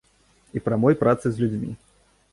І прамой працы з людзьмі.